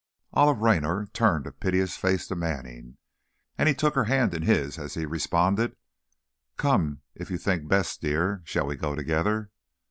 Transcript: Olive Raynor turned a piteous face to Manning, and he took her hand in his as he responded: "Come, if you think best, dear. Shall we go together?"